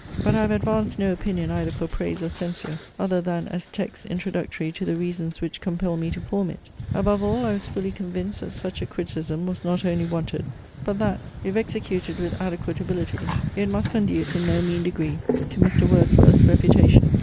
But I have advanced no opinion either for praise or censure, other than as texts introductory to the reasons which compel me to form it. Above all, I was fully convinced that such a criticism was not only wanted; but that, if executed with adequate ability, it must conduce, in no mean degree, to Mr. Wordsworth's reputation.